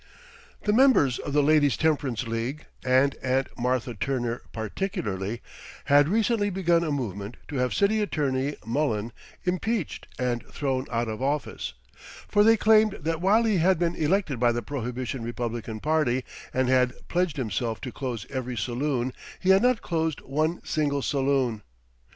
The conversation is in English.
The members of the Ladies' Temperance League and Aunt Martha Turner particularly had recently begun a movement to have City Attorney Mullen impeached and thrown out of office, for they claimed that while he had been elected by the Prohibition Republican Party, and had pledged himself to close every saloon, he had not closed one single saloon.